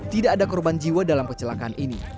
tidak ada korban jiwa dalam kecelakaan ini